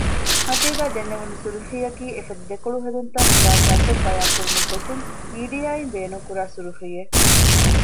މަތީގައި ދެންނެވުނު ސުރުޚީއަކީ އެފަދަ ދެކޮޅުހެދުންތައް ޚުލާޞާކޮށް ބަޔާން ކުރުމުގެ ގޮތުން މީޑިއާއިން ބޭނުންކުރާ ސުރުޚީއެއް